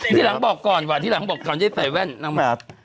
ที่หลังบอกก่อนจะได้ใส่แว่นน้องมัน